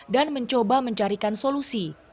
dan mencoba mencarikan solusi